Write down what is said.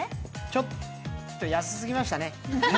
ちょっと安すぎましたね。